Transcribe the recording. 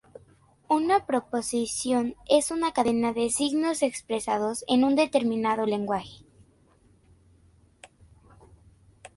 Una proposición es una cadena de signos expresados en un determinado lenguaje.